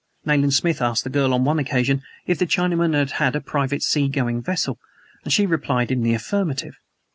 Nayland Smith asked the girl on one occasion if the Chinaman had had a private sea going vessel, and she replied in the affirmative.